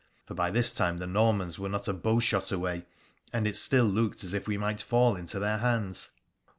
' for by this time the Normans were not a bow shot away, and it still looked as if we might fall into their hands.